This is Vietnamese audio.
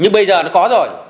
nhưng bây giờ nó có rồi